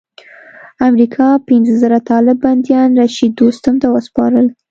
امریکا پنځه زره طالب بندیان رشید دوستم ته وسپارل.